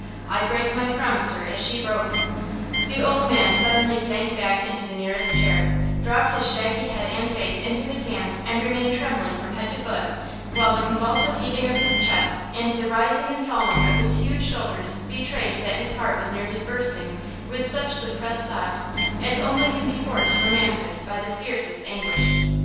I break my promise, sir, as she broke–" The old man suddenly sank back into the nearest chair, dropped his shaggy head and face into his hands and remained trembling from head to foot, while the convulsive heaving of his chest and the rising and falling of his huge shoulders betrayed that his heart was nearly bursting with such suppressed sobs as only can be forced from manhood by the fiercest anguish.